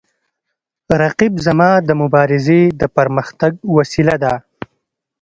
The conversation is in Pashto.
رقیب زما د مبارزې د پرمختګ وسیله ده